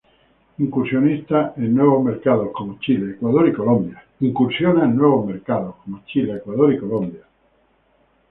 Incursiona en nuevos mercados como Chile, Ecuador y Colombia.